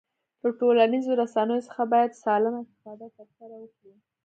له ټولنیزو رسنیو څخه باید سالمه استفاده ترسره وکړو